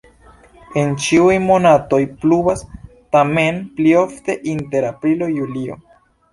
En ĉiuj monatoj pluvas, tamen pli ofte inter aprilo-julio.